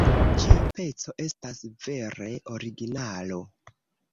Ĉiu peco estas vere originalo!